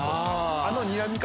あのにらみ方。